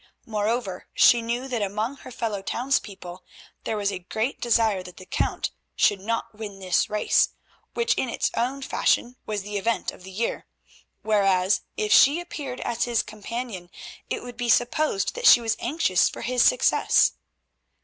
Moreover, she knew that among her fellow townspeople there was a great desire that the Count should not win this race, which in its own fashion was the event of the year, whereas, if she appeared as his companion it would be supposed that she was anxious for his success.